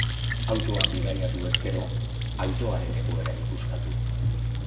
Autoan bidaiatu ez gero, autoaren egoera ikuskatu.